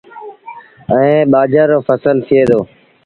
ائيٚݩ ٻآجھر رو ڦسل ٿئي دو۔